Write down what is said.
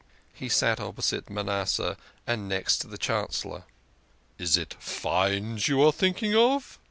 He sat opposite Manasseh, and next to the Chancellor. "Is it fines you are thinking of?"